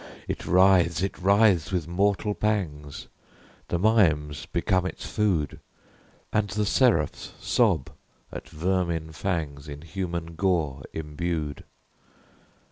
It writhes! it writhes! with mortal pangs The mimes become its food, And the seraphs sob at vermin fangs In human gore imbued.